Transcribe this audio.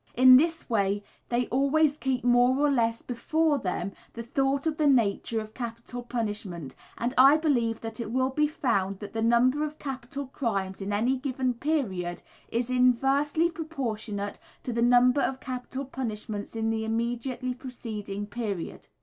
In this way they always keep more or less before them the thought of the nature of capital punishment, and I believe that it will be found that the number of capital crimes in any given period is inversely proportionate to the number of capital punishments in the immediately preceding period.